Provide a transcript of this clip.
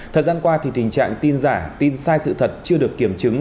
thời gian qua thì tình trạng tin giả tin sai sự thật chưa được kiểm chứng